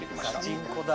ガチンコだ。